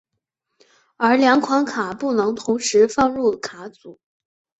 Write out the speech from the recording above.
而两款卡不能同时放入卡组。